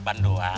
ke depan doang